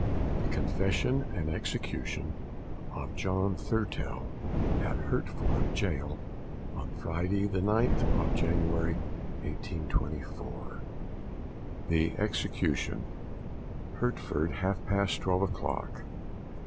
THE CONFESSION AND EXECUTION OF JOHN THURTELL AT HERTFORD GAOL, On Friday, the 9th of January, 1824. THE EXECUTION. _Hertford, half past twelve o'clock.